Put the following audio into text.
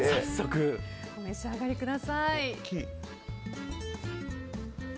お召し上がりください。